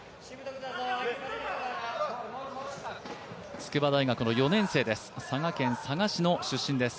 筑波大学の４年生です、佐賀県佐賀市の出身です